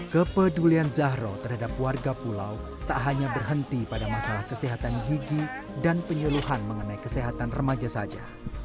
kepedulian zahro terhadap warga pulau tak hanya berhenti pada masalah kesehatan gigi dan penyeluhan mengenai kesehatan remaja saja